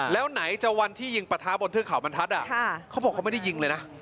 แล้วไหนจะวันที่ยิงปะทะบนเทือกเขาบรรทัศน์เขาบอกเขาไม่ได้ยิงเลยนะ